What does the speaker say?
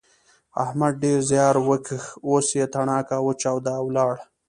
احمد ډېر زیار وکيښ اوس يې تڼاکه وچاوده او ولاړ.